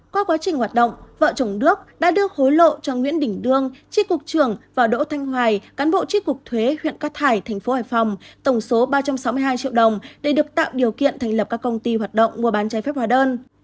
qua quá trình hoạt động vợ chồng đước đã được hối lộ cho nguyễn đỉnh đương trí cục trưởng và đỗ thanh hoài cán bộ trí cục thuế huyện cát thải tp hải phòng tổng số ba trăm sáu mươi hai triệu đồng để được tạo điều kiện thành lập các công ty hoạt động mua bán chế phép hóa đơn